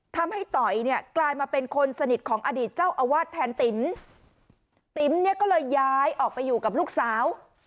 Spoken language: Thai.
ต่อยเนี่ยกลายมาเป็นคนสนิทของอดีตเจ้าอาวาสแทนติ๋มติ๋มเนี่ยก็เลยย้ายออกไปอยู่กับลูกสาว